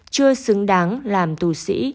chưa xứng đáng làm tù sĩ